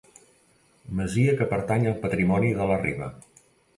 Masia que pertany al patrimoni de la Riba.